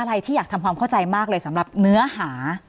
ที่อยากทำความเข้าใจมากเลยสำหรับเนื้อหา